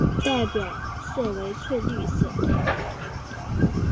代表色为翠绿色。